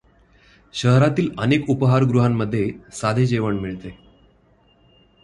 शहरातील अनेक उपहारगृहांमध्ये साधे जेवण मिळते.